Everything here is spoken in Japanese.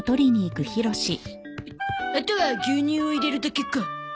あとは牛乳を入れるだけか。